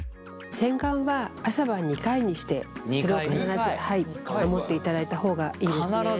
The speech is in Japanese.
洗顔は朝晩２回にしてそれを必ず守っていただいた方がいいですね。